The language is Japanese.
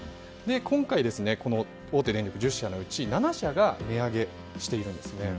今回、大手電力１０社のうち７社が値上げしているんですね。